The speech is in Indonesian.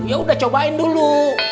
ya udah cobain dulu